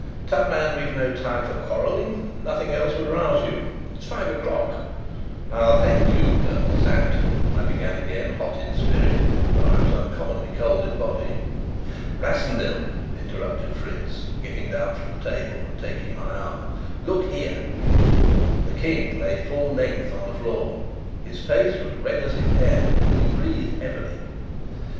"Tut, man, we've no time for quarrelling. Nothing else would rouse you. It's five o'clock." "I'll thank you, Colonel Sapt " I began again, hot in spirit, though I was uncommonly cold in body. "Rassendyll," interrupted Fritz, getting down from the table and taking my arm, "look here." The King lay full length on the floor. His face was red as his hair, and he breathed heavily.